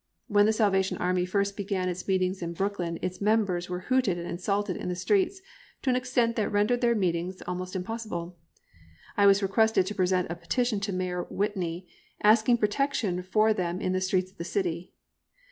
When the Salvation Army first began its meetings in Brooklyn its members were hooted and insulted in the streets to an extent that rendered their meetings almost impossible. I was requested to present a petition to Mayor Whitney asking protection for them in the streets of the city.